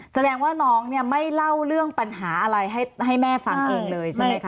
แสดงว่าน้องเนี่ยไม่เล่าเรื่องปัญหาอะไรให้แม่ฟังเองเลยใช่ไหมคะ